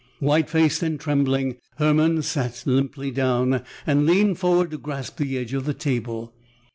White faced and trembling, Hermann sat limply down and leaned forward to grasp the edge of the table.